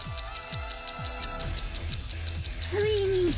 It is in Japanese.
ついに。